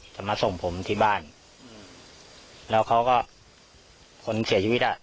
จะมาส่งผมที่บ้านอืมแล้วเขาก็คนเสียชีวิตอ่ะ